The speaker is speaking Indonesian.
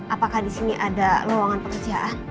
apakah disini ada luangan pekerjaan